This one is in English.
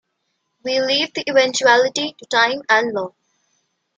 We leave the eventuality to time and law.